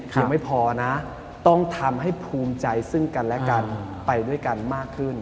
ยังไม่พอนะต้องทำให้ภูมิใจซึ่งกันและกันไปด้วยกันมากขึ้น